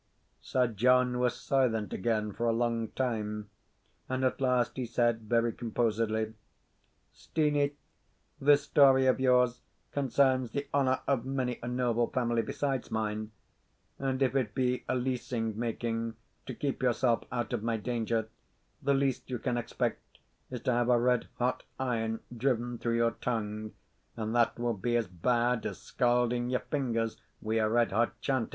Sir John was silent again for a long time, and at last he said, very composedly: "Steenie, this story of yours concerns the honour of many a noble family besides mine; and if it be a leasing making, to keep yourself out of my danger, the least you can expect is to have a red hot iron driven through your tongue, and that will be as bad as scaulding your fingers wi' a red hot chanter.